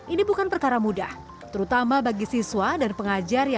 ini bukan perkara mudah terutama bagi siswa dan pengajar